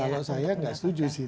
kalau saya nggak setuju sih